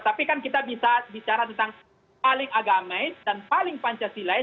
tapi kan kita bisa bicara tentang paling agamais dan paling pancasila